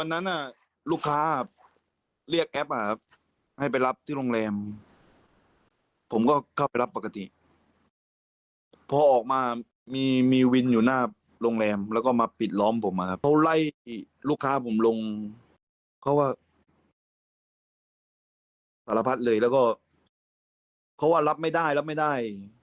ไม่ให้รับอะไรประมาณนี้